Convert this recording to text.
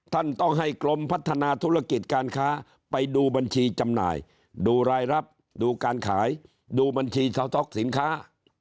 ท่านต้องให้กรมพัฒนาธุรกิจการค้าไปดูบัญชีจำหน่ายดูรายรับดูการขายดูบัญชีชาวต๊อกสินค้า